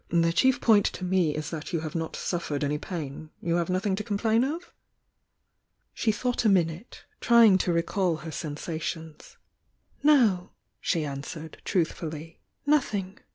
The chief point to me is that you have not suffered any pain. You have nothing to complain of?" She thought a minute, trying to recall her sen sations. "No," she answered, truthfully, "nothing."